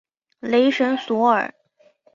雷神索尔。